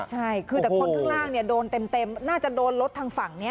ใช่คือแต่คนข้างล่างโดนเต็มน่าจะโดนรถทางฝั่งนี้